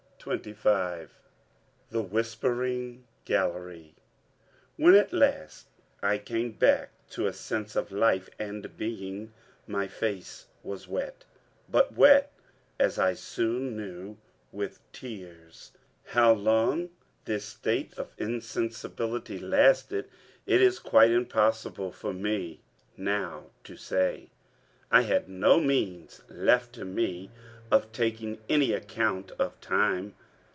CHAPTER 25 THE WHISPERING GALLERY When at last I came back to a sense of life and being, my face was wet, but wet, as I soon knew, with tears. How long this state of insensibility lasted, it is quite impossible for me now to say. I had no means left to me of taking any account of time.